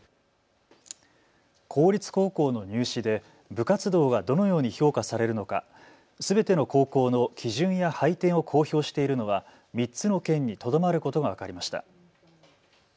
公立高校の入試で部活動がどのように評価されるのかすべての高校の基準や配点を公表しているのは３つの県にとどまることが分かりました。